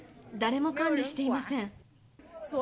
誰も管理していません。